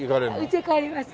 うちへ帰ります。